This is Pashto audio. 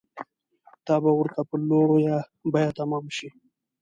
دا به ورته په لویه بیه تمامه شي.